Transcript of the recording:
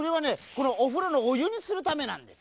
このおふろのおゆにするためなんです。